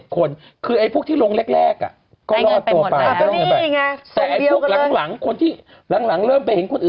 ๖๐๔๗คนคือพวกน้องที่ลงเล็ก